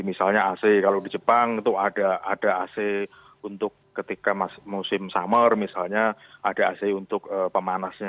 misalnya ac kalau di jepang itu ada ac untuk ketika musim summer misalnya ada ac untuk pemanasnya